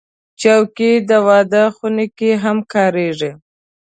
چوکۍ د واده خونه کې هم کارېږي.